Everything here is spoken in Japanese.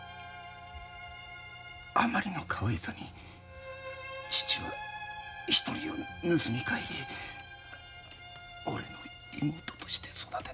あまりのかわいさに父は一人を盗み帰りおれの妹として育てたんだ。